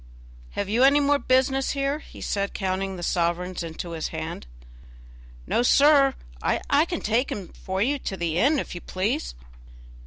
Have you any more business here?" he said, counting the sovereigns into his hand. "No, sir, I can take him for you to the inn, if you please."